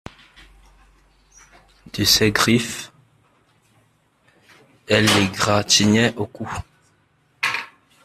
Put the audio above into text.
De ses griffes elle l'égratignait au cou.